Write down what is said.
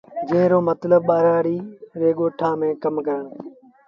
جݩهݩ رو متلب تا ٻآرآڙي ري ڳوٺآݩ ميݩ ڪم ڪرڻ۔